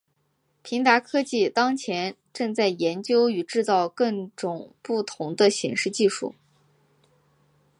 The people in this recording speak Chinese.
平达科技当前正在研发与制造更种不同的显示技术。